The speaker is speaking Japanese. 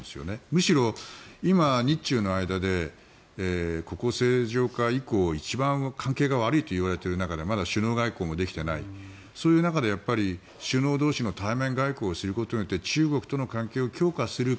むしろ、今、日中の間で国交正常化以降一番関係が悪いといわれている中でまだ首脳外交もできていないそういう中でやっぱり首脳同士の対面外交をすることによって中国との関係を強化する。